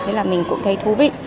thế là mình cũng thấy thú vị